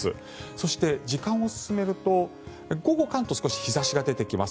そして、時間を進めると午後、関東は少し日差しが出てきます。